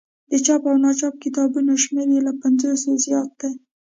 د چاپ او ناچاپ کتابونو شمېر یې له پنځوسو زیات دی.